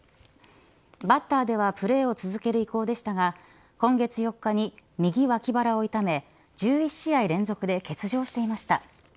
バッターではプレーを続ける意向でしたが今月４日に右脇腹を痛め１１試合連続で欠場していました。